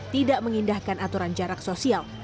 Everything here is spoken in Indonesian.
tidak mengindahkan aturan jarak sosial